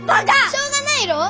しょうがないろう！